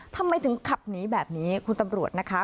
ทำไมถึงขับหนีแบบนี้คุณตำรวจนะคะ